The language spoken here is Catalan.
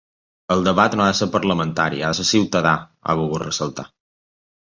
El debat no ha de ser parlamentari, ha de ser ciutadà, ha volgut ressaltar.